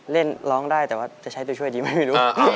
เล่นร้องได้แต่ว่าจะใช้ตัวช่วยดีไหมไม่รู้